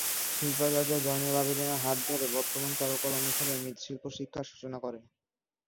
শিল্পাচার্য জয়নুল আবেদীন এর হাত ধরে বর্তমান চারুকলা অনুষদে মৃৎশিল্প শিক্ষার সূচনা করেন।